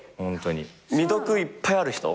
未読いっぱいある人？